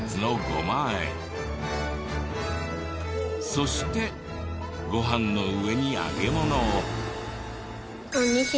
そしてご飯の上に揚げ物を。